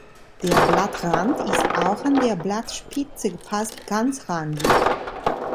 Der Blattrand ist auch an der Blattspitze fast ganzrandig.